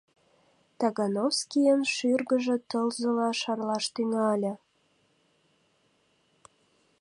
Тагановскийын шӱргыжӧ тылзыла шарлаш тӱҥале.